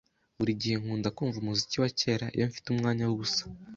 Buri gihe nkunda kumva umuziki wa kera iyo mfite umwanya wubusa.